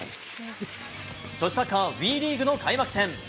女子サッカー・ＷＥリーグの開幕戦。